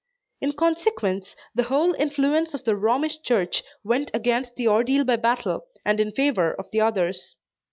In consequence, the whole influence of the Romish church went against the ordeal by battle, and in favor of the others.